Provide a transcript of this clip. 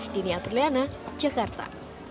dini aprileana jakarta